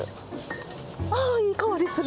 ああ、いい香りする。